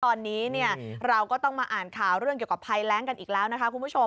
ตอนนี้เราก็ต้องมาอ่านข่าวเรื่องเกี่ยวกับภัยแรงกันอีกแล้วนะคะคุณผู้ชม